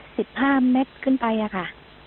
สิบห้าเม็ดขึ้นไปอะค่ะ